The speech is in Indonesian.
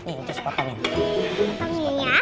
ini terus potongin potongin ya